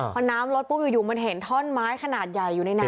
พอน้ำลดปุ๊บอยู่มันเห็นท่อนไม้ขนาดใหญ่อยู่ในน้ำ